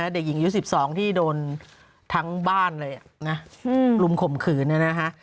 เด็กหญิงอายุ๑๒ที่โดนทั้งบ้านเลยนะลุมข่มขืนเนี่ยนะฮะ